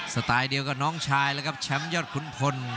สไตล์เดียวกับน้องชายแล้วครับแชมป์ยอดขุนพล